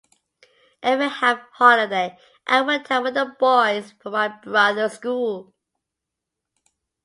Every half-holiday I went out with the boys from my brothers' school.